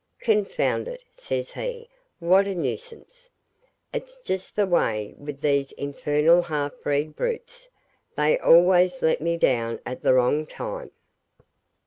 'Confound it,' says he, 'what a nuisance! It's just the way with these infernal half bred brutes; they always let me down at the wrong time.'